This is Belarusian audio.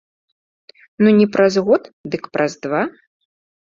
Ну не праз год, дык праз два.